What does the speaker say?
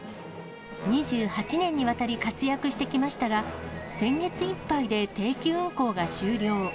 ２８年にわたり活躍してきましたが、先月いっぱいで定期運行が終了。